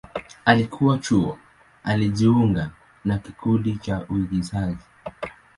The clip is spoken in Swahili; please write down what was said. Akiwa chuo, alijiunga na kikundi cha uigizaji.